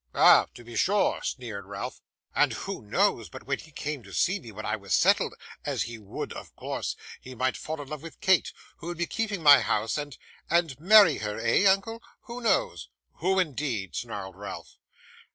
'Ah, to be sure!' sneered Ralph. 'And who knows, but when he came to see me when I was settled (as he would of course), he might fall in love with Kate, who would be keeping my house, and and marry her, eh! uncle? Who knows?' 'Who, indeed!' snarled Ralph.